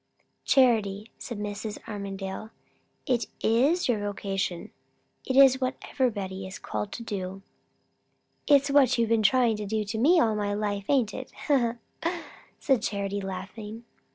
"Charity," said Mrs. Armadale, "it is your vocation. It is what everybody is called to do." "It's what you've been trying to do to me all my life, ain't it?" said Charity, laughing.